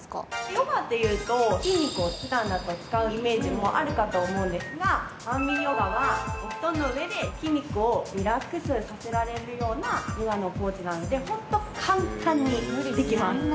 ヨガっていうと、筋肉を使うイメージもあるかと思うんですが、安眠ヨガはお布団の上で筋肉をリラックスさせられるようなヨガのポーズなので、本当、簡単にできます。